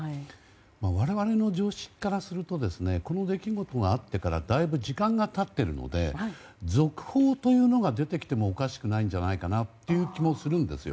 我々の常識からするとですねこの出来事があってからだいぶ時間が経っているので続報というのが出てきてもおかしくないんじゃないかなという気もするんですよ。